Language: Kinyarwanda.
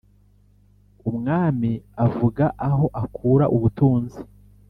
umwami avuga aho akura ubutunzi